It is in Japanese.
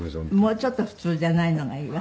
もうちょっと普通じゃないのがいいわ。